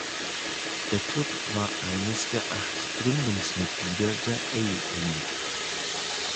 Der Klub war eines der acht Gründungsmitglieder der A-League.